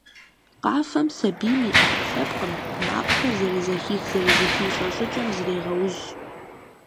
Къафэм сабийм и Ӏэпкълъэпкъым, макъхэр зэрызэхих-зэрызыхищӀэ щӀыкӀэм зрегъэужь.